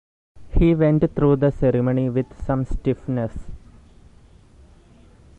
He went through the ceremony with some stiffness.